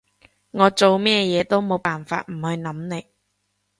我做咩嘢都冇辦法唔去諗你